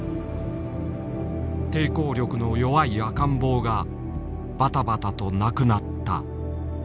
抵抗力の弱い赤ん坊がばたばたと亡くなった。